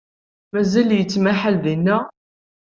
Mazal yettmahal din?